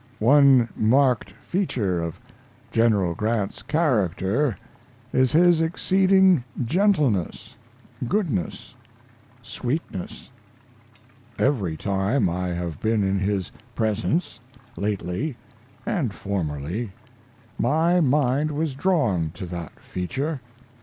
One marked feature of General Grant's character is his exceeding gentleness, goodness, sweetness. Every time I have been in his presence lately and formerly my mind was drawn to that feature.